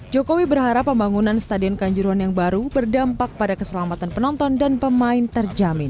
jokowi berharap pembangunan stadion kanjuruan yang baru berdampak pada keselamatan penonton dan pemain terjamin